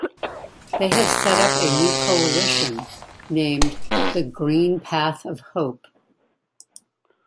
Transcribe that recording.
They have set up a new coalition, named The Green Path of Hope.